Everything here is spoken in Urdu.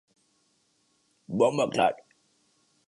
عام دلچسپی کی ہیں